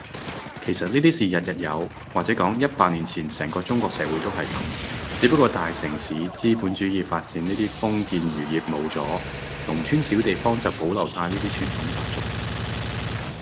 其實呢啲事日日有，或者講，一百年前成個中國社會都係噉，只不過大城市資本主義發展呢啲封建餘孽冇咗，農村小地方就保留晒呢啲傳統習俗